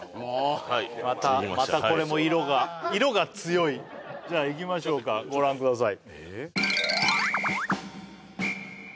またまたこれも色が色が強いじゃあいきましょうかご覧ください